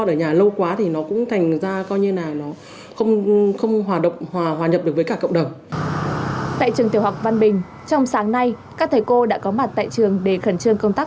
tại trường tiểu học văn bình trong sáng nay các thầy cô đã có mặt tại trường để khẩn trương công tác